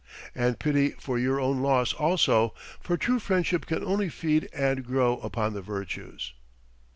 And pity for your own loss also, for true friendship can only feed and grow upon the virtues.